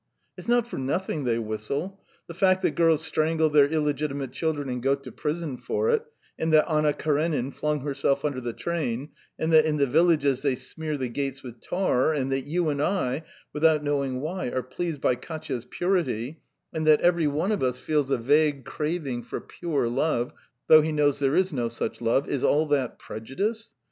"It's not for nothing they whistle. The fact that girls strangle their illegitimate children and go to prison for it, and that Anna Karenin flung herself under the train, and that in the villages they smear the gates with tar, and that you and I, without knowing why, are pleased by Katya's purity, and that every one of us feels a vague craving for pure love, though he knows there is no such love is all that prejudice?